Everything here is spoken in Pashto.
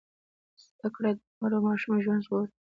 زده کړه د مور او ماشوم ژوند ژغوري۔